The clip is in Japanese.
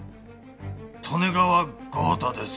利根川豪太です。